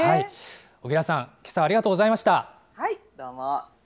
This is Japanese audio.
荻原さん、けさはありがとうございました。